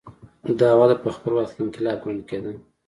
دا وده په خپل وخت کې انقلاب ګڼل کېده.